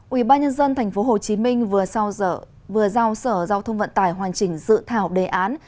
ubnd tp hcm vừa giao sở giao thông vận tải hoàn chỉnh dự thảo đề án